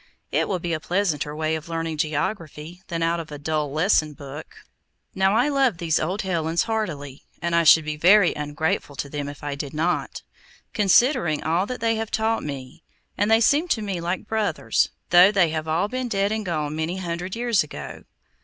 It will be a pleasanter way of learning geography than out of a dull lesson book. Now, I love these old Hellens heartily; and I should be very ungrateful to them if I did not, considering all that they have taught me; and they seem to me like brothers, though they have all been dead and gone many hundred years ago.